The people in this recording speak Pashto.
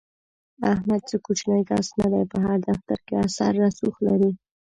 احمد څه کوچنی کس نه دی، په هر دفتر کې اثر رسوخ لري.